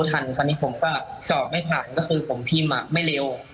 ทันคราวนี้ผมก็สอบไม่ผ่านก็คือผมพิมพ์ไม่เร็ว